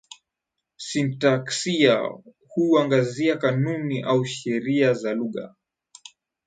Sintaksia huangazia kanuni au sheria za lugha.